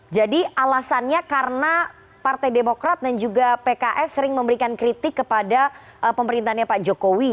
jadi alasannya karena partai demokrat dan juga pks sering memberikan kritik kepada pemerintahnya pak jokowi